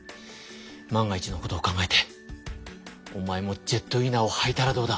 万が一のことを考えておまえもジェットウィナーをはいたらどうだ？